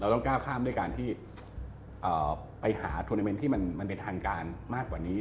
ต้องก้าวข้ามด้วยการที่ไปหาทวนาเมนต์ที่มันเป็นทางการมากกว่านี้